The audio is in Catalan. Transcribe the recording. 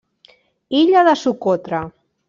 Illa de Socotra.